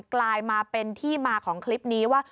กลายมาเป็นที่มาของคลิปนี้ว่า